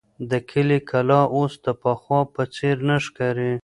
د کلي کلا اوس د پخوا په څېر نه ښکاري.